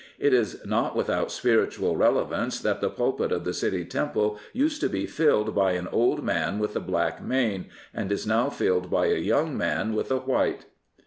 It is not without spiritual relevance that the pulpit of the City Temple used to be filled by an old man with a black mane and is now filled by a young man with a white.